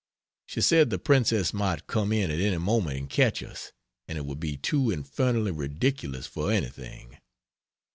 She said the princess might come in at any moment and catch us, and it would be too infernally ridiculous for anything.